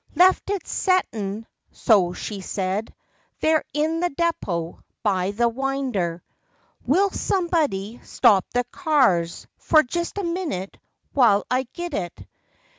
Left it settin," so she said, u there In the depo, by the winder. Will somebody stop the cars for Jest a minnit, while I git it?